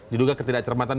diduga ketidak cermatan